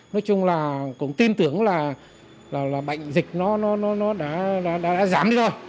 nói chung là cũng tin tưởng là bệnh dịch nó đã giảm rồi